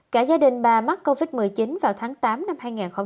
cả gia đình bà mắc covid một mươi chín vào tháng tám năm hai nghìn hai mươi